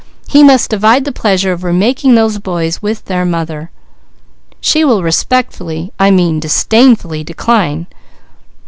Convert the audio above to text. He shall divide the joy of remaking those boys with their mother." "She will respectfully I mean disdainfully, decline!"